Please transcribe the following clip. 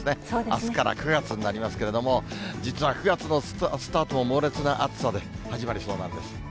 あすから９月になりますけれども、実は９月のスタートも猛烈な暑さで始まりそうなんです。